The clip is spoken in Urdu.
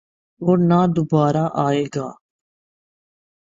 اور نہ دوبارہ آئے گا۔